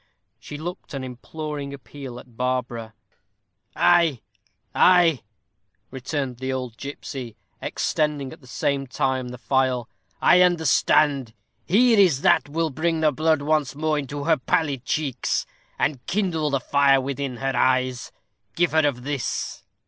She looked an imploring appeal at Barbara. "Ay, ay," returned the old gipsy, extending at the same time the phial; "I understand. Here is that will bring the blood once more into her pallid cheeks, and kindle the fire within her eyes. Give her of this."